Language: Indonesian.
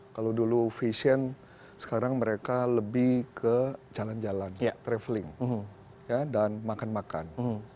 kalau dulu fashion sekarang mereka lebih ke jalan jalan traveling dan makan makan